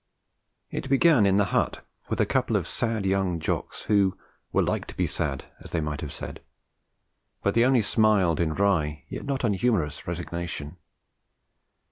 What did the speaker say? It began in the hut, with a couple of sad young Jocks, who were like to be sad, as they might have said; but they only smiled in wry yet not unhumorous resignation.